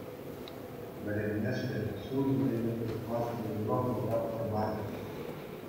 Вӗренмешкӗн, ҫул ҫӳреве тухмашкӑн юрӑхлӑ тапхӑр мар.